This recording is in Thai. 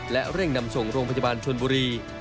และเร่งนำส่งโรงพยาบาลชนบุรี